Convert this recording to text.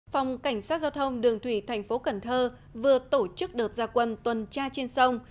phòng cảnh sát giao thông đường thủy thành phố cần thơ vừa tổ chức đợt gia quân tuần tra trên sông